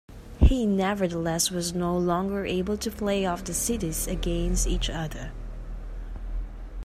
He nevertheless was no longer able to play off the cities against each other.